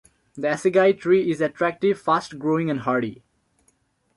The Assegai tree is attractive, fast-growing and hardy.